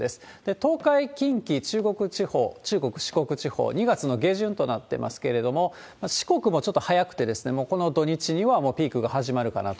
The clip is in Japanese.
東海、近畿、中国地方、中国・四国地方、２月の下旬となっておりますけれども、四国もちょっと早くて、もうこの土日にはもうピークが始まるかなと。